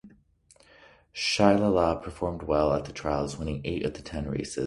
Shillalah performed well at the trials, winning eight of the ten races.